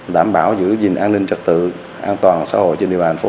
đảm bảo giữ gìn an ninh trật tự an toàn xã hội trên địa bàn thành phố